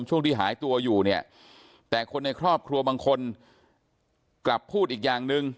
ช่วงที่หายตัวอยู่เนี่ยแต่คนในครอบครัวบางคนกลับพูดอีกอย่างหนึ่ง